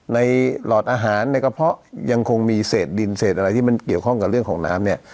หลอดอาหารในกระเพาะยังคงมีเศษดินเศษอะไรที่มันเกี่ยวข้องกับเรื่องของน้ำเนี่ย